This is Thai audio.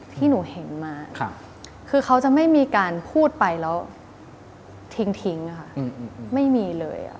ที่หนูเห็นมาคือเขาจะไม่มีการพูดไปแล้วทิ้งค่ะไม่มีเลย